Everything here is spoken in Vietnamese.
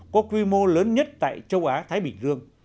có quy mô lớn nhất tại châu á thái bình dương